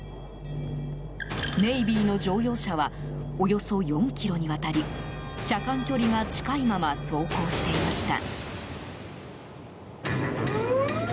ネイビーの乗用車はおよそ４ｋｍにわたり車間距離が近いまま走行していました。